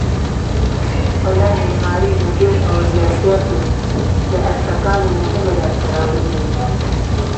هنر، معماري، نجوم او ریاضیاتو د ازتکانو مهمې لاسته راوړنې وې.